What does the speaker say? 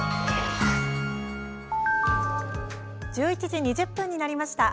１１時２０分になりました。